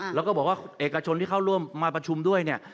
แล้วก็บอกว่าเอกชนที่เข้าร่วมมาประชุมด้วยเนี่ย